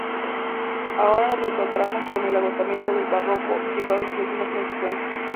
Ahora nos encontramos con el agotamiento del Barroco, llegado a sus ultimas consecuencias.